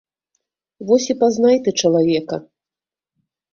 Вось і пазнай ты чалавека.